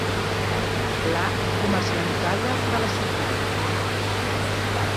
La comerciantalla de la ciutat.